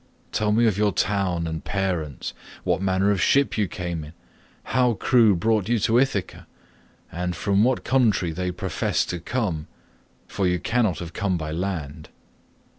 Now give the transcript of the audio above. Tell me of your town and parents, what manner of ship you came in, how crew brought you to Ithaca, and from what country they professed to come—for you cannot have come by land."